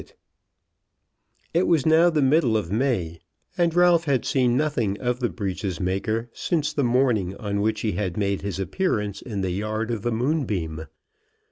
It was now the middle of May, and Ralph had seen nothing of the breeches maker since the morning on which he had made his appearance in the yard of the Moonbeam.